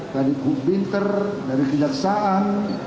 tadi binter dari pindah saang